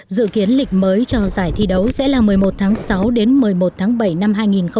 dự kiến lịch mới cho giải thi đấu sẽ là một mươi một tháng sáu đến một mươi một tháng bảy năm hai nghìn hai mươi